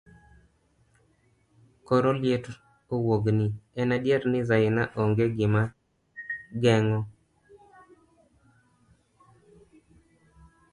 koro liet owuogni, en adiera ni Zaina ong'e gima geng'o